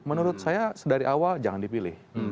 menurut saya dari awal jangan dipilih